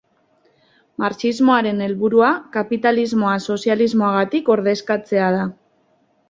Marxismoaren helburua, kapitalismoa sozialismoagatik ordezkatzea da.